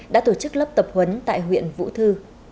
đã tổ chức lớp tập huấn tại huyện vũ thư